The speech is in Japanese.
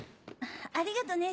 ありがとね